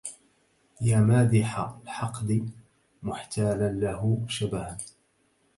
يا مادح الحقد محتالا له شبها